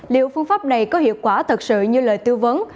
liệu phương pháp này có hiệu quả thật sự như lời tư vấn